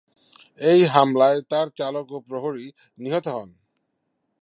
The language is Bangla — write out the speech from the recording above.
এই হামলায় তার চালক ও প্রহরী নিহত হন।